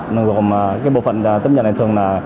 nó gồm cái bộ phận tiếp nhận này thường là